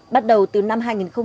bắt đầu từ năm hai nghìn một mươi năm